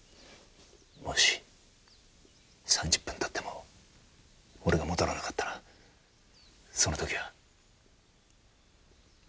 もし３０分経っても俺が戻らなかったらその時は。